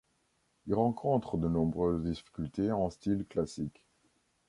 Il rencontre de nombreuses difficultés en style classique.